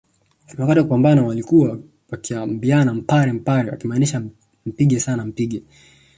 Wakati wa kupambana walikuwa wakiambiana mpare mpare wakimaanisha mpige sana mpige